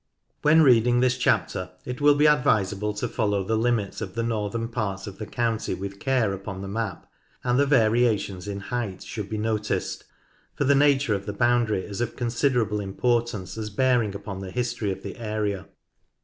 When reading this chapter it will be advisable to follow the limits of the northern part of the county with care upon the map, and the variations in height should be noticed, for the nature of the boundary is of considerable importance as bearing upon the history of the area.